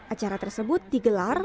acara tersebut digelar